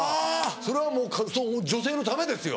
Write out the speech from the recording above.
それはもう女性のためですよ。